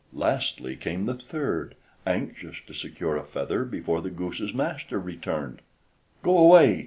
Lastly came the third, anxious to secure a feather before the goose's master returned. "Go away!